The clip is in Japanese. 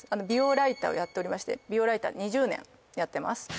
美容ライターをやっておりまして美容ライター２０年やってます